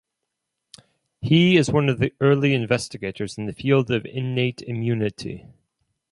He is one of the early investigators in the field of innate immunity.